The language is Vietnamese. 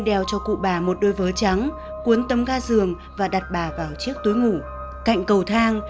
đeo cho cụ bà một đôi vớ trắng cuống ga giường và đặt bà vào chiếc túi ngủ cạnh cầu thang